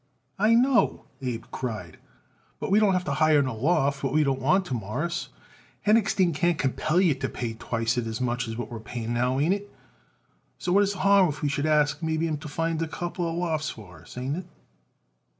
"I know," Abe cried; "but we don't have to hire no loft what we don't want to, Mawruss. Henochstein can't compel you to pay twicet as much what we're paying now. Ain't it? So what is the harm if we should maybe ask him to find a couple of lofts for us? Ain't it?"